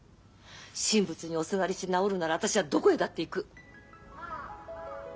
神仏におすがりして治るなら私はどこへだって行く。